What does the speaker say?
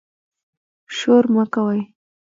شور مه کوئ